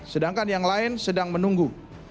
sedangkan yang lain sedang menunggu